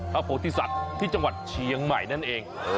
พระพุทธศัตริย์ที่จังหวัดเชียงใหม่นั่นเอง